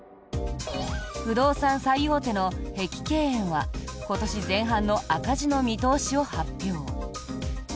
不動産最大手の碧桂園は今年前半の赤字の見通しを発表。